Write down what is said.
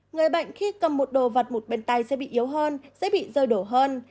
người bệnh khi cầm một đồ vật một bàn tay sẽ bị yếu hơn sẽ bị rơi đổ hơn